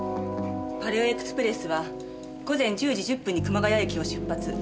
パレオエクスプレスは午前１０時１０分に熊谷駅を出発。